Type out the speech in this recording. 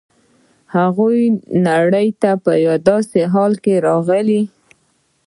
هغه نړۍ ته په داسې حالت کې راغلی.